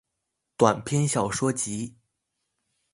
短篇小說集